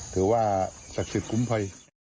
ถือว่าศักดิ์สิทธิ์คุ้มภัย